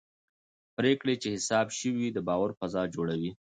پرېکړې چې حساب شوي وي د باور فضا جوړوي